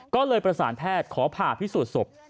ก็เลยประสานแพทย์ขอผ่าพิสูจน์ศพ